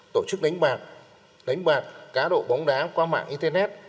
tổ chức đánh bạc đánh bạc cá độ bóng đá qua mạng internet